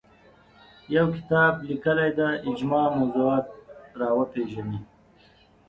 یو کتاب لیکلی دی اجماع موضوعات راوپېژني